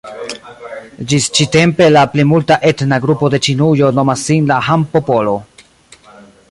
Ĝis ĉi-tempe, la plimulta etna grupo de Ĉinujo nomas sin la "Han-popolo".